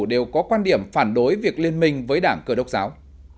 đều có quan điểm phản đối việc liên minh với đảng cơ đốc giáo